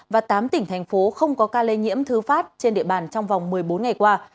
và tám tỉnh thành phố không có ca lây nhiễm thứ phát trên địa bàn trong vòng một mươi bốn ngày qua